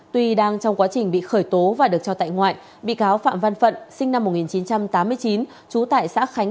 tuy đang trong quá trình bị khởi tố và được cho tại ngoại bị cáo phạm văn phận sinh năm một nghìn chín trăm tám mươi chín trú tại xã khánh